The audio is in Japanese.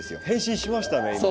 変身しましたね。